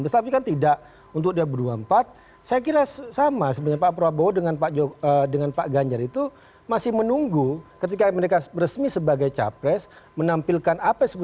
tapi kita harus jeda terlebih dahulu